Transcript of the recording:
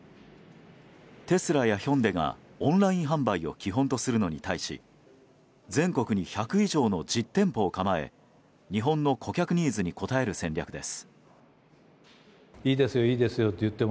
テスラやヒョンデがオンライン販売を基本とするのに対し全国に１００以上の実店舗を構え日本の顧客ニーズに応える戦略です。